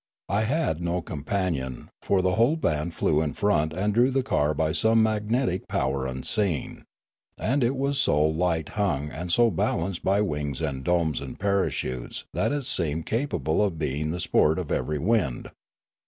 I had no companion, for the whole band flew in front and drew the car by some magnetic power unseen; and it was so light hung and so balanced by wings and domes and parachutes that it seemed capable of being the sport of every wind.